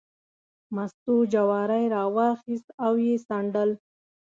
مستو جواری راواخیست او یې څنډل.